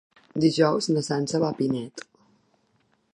Dijous na Sança va a Pinet.